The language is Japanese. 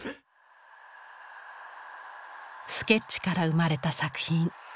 スケッチから生まれた作品。